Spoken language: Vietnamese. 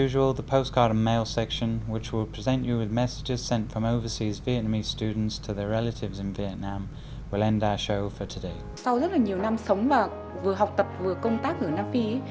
sau rất nhiều năm sống và vừa học tập vừa công tác ở nam phi